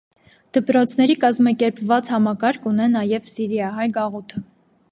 Դպրոցների կազմակերպված համակարգ ունե նաև սիրիահայ գաղութը։